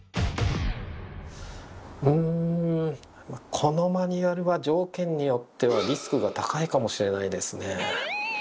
うんこのマニュアルは条件によってはリスクが高いかもしれないですね。